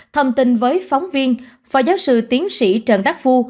thông tin với phóng viên phó giáo sư tiến sĩ trần đắc phu